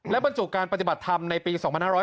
และบรรจุการปฏิบัติธรรมในปี๒๕๕๙